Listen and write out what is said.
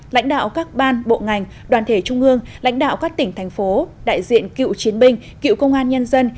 lãnh đạo các ban bộ ngành đoàn thể trung ương lãnh đạo các tỉnh thành phố đại diện cựu chiến binh cựu công an nhân dân